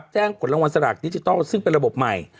กดรางวัลสลากดิจิทัลซึ่งเป็นระบบใหม่